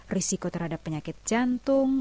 risiko terhadap penyakit jantung